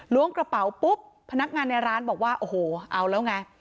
กระเป๋าปุ๊บพนักงานในร้านบอกว่าโอ้โหเอาแล้วไง